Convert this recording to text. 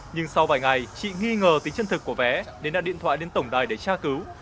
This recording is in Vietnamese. nhưng sau vài ngày chị nghi ngờ tính chân thực của vé nên đặt điện thoại đến tổng đài để tra cứu